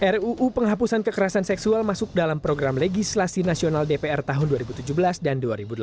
ruu penghapusan kekerasan seksual masuk dalam program legislasi nasional dpr tahun dua ribu tujuh belas dan dua ribu delapan belas